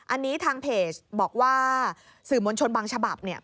อันนี้ทางเพจบอกว่าสื่อมวลชนบางฉบับเนี่ย